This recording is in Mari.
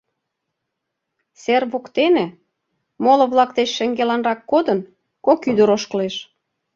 Сер воктене, моло-влак деч шеҥгеланрак кодын, кок ӱдыр ошкылеш.